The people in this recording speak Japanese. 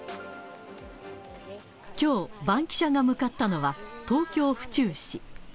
きょう、バンキシャが向かったのは、東京・府中市。